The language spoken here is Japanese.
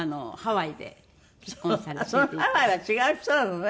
ハワイは違う人なのね。